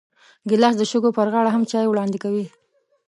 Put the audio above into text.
ګیلاس د شګو پر غاړه هم چای وړاندې کوي.